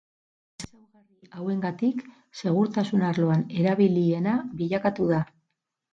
Ezaugarri hauengatik segurtasun arloan erabiliena bilakatu da.